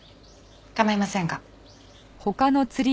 構いませんが。